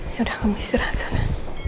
yaudah kamu istirahat sana